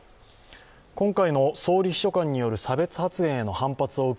今回の総理秘書官による差別発言への反発を受け、